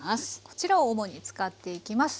こちらを主に使っていきます。